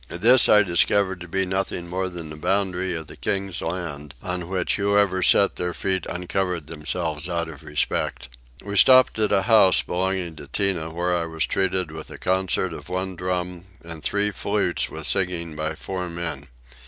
This I discovered to be nothing more than the boundary of the king's land; on which whoever set their feet uncovered themselves out of respect. We stopped at a house belonging to Tinah where I was treated with a concert of one drum and three flutes with singing by four men.